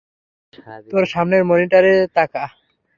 তোর সামনের মনিটরে তাকা!